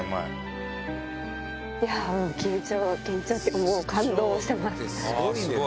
いや、緊張、緊張っていうか、もう感動してます。